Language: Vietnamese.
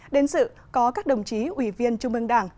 đến sự có các đồng chí ủy viên